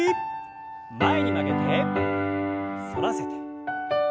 前に曲げて反らせて。